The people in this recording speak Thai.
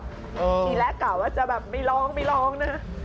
ทีแรกกล่าวจะแบบไม่ร้องนะ